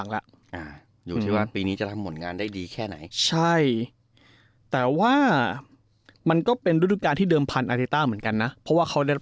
๑๐๐๐เลยก็ได้